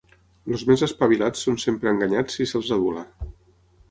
Els més espavilats són sempre enganyats si se'ls adula;